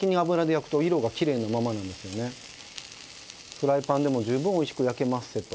フライパンでも十分おいしく焼けまっせと。